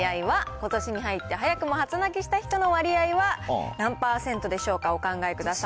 ことしに入って早くも初泣きした人の割合は何％でしょうか、お考えください。